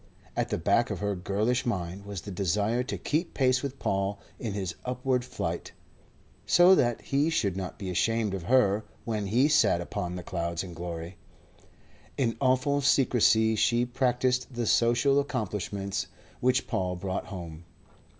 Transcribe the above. At the back of her girlish mind was the desire to keep pace with Paul in his upward flight, so that he should not be ashamed of her when he sat upon the clouds in glory. In awful secrecy she practised the social accomplishments which Paul brought home.